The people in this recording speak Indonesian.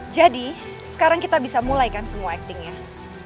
jadi sekarang kita bisa mulai kan semua actingnya